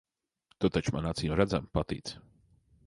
Tu taču man acīmredzami patīc.